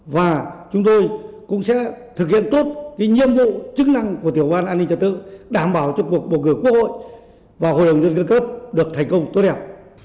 và chúng tôi cũng sẽ thực hiện tốt nhiệm vụ chức năng của tiểu ban an ninh trật tự đảm bảo cho cuộc bầu cử quốc hội và hội đồng dân cư cấp được thành công tốt đẹp